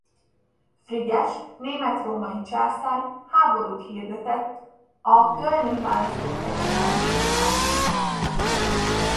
Frigyes német-római császár háborút hirdetett a a Kölni Választófejedelemség ellen.